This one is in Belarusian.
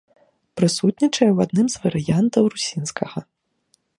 Прысутнічае ў адным з варыянтаў русінскага.